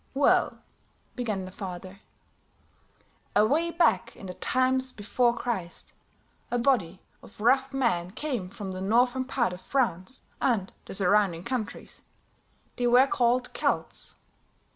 "Well," began the father, "away back in the times before Christ, a body of rough men came from the northern part of France and the surrounding countries. They were called Celts.